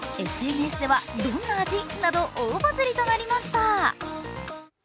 ＳＮＳでは、どんな味？など大バズりとなりました。